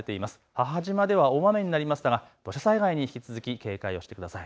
母島では大雨になりましたが土砂災害には引き続き警戒してください。